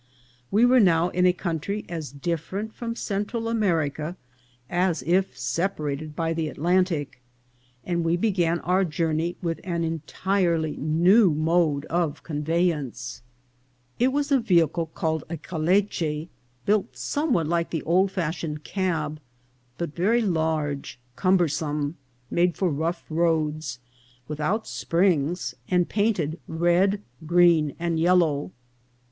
We were now in a country as different from Central America as if separated by the Atlantic, and we began our journey with an entirely new mode of conveyance. 396 INCIDENTS OF TRAVEL. It was in a vehicle called a caleche, built somewhat like the oldfashioned cab, but very large, cumbersome, made for rough roads, without springs, and painted red, green, and yellow.